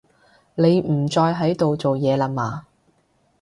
你唔再喺度做嘢啦嘛